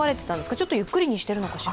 ちょっとゆっくりにしているのかしら？